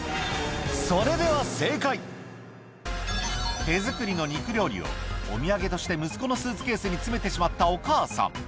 それでは手作りの肉料理をお土産として息子のスーツケースに詰めてしまったお母さん